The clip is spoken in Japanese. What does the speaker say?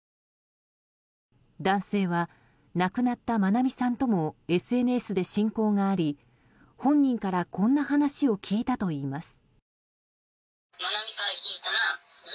男性は、亡くなった愛美さんともＳＮＳで親交があり本人からこんな話を聞いたといいます。